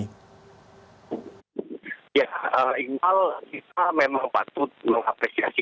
ya ingin tahu kita memang patut mengapresiasi